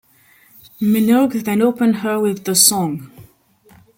Minogue then opened her with the song.